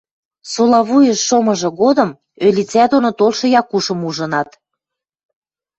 Сола вуйыш шомыжы годым ӧлицӓ доно толшы Якушым ужынат